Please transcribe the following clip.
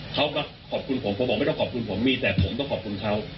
เขาก็ขอบคุณผมผมบอกไม่ต้องขอบคุณผมมีแต่ผมต้องขอบคุณเขา